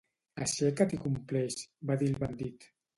Aixeca't i compleix, va dir el bandit.